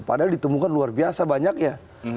padahal ditemukan luar biasa banyaknya